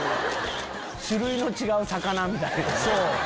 種類の違う魚みたいな。